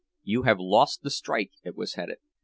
"You have lost the strike!" it was headed.